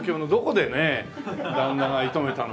旦那が射止めたのか。